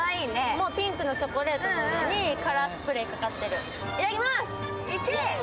もうピンクのチョコレートの上にカラースプレーがかかっている。